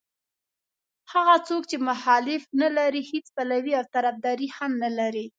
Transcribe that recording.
هغه څوک چې مخالف نه لري هېڅ پلوی او طرفدار هم نه لري.